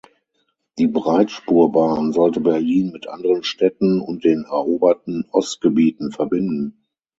Die Breitspurbahn sollte Berlin mit anderen Städten und den eroberten Ostgebieten verbinden.